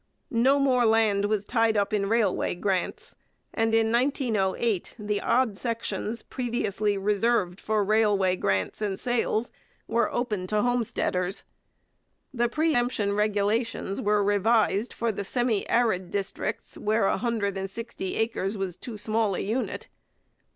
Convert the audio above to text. No more land was tied up in railway grants, and in 1908 the odd sections, previously reserved for railway grants and sales, were opened to homesteaders. The pre emption regulations were revised for the semi arid districts where a hundred and sixty acres was too small a unit.